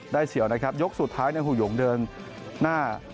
เฉียวนะครับยกสุดท้ายหูหยงเดินหน้า